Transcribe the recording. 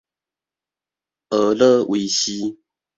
呵咾唯是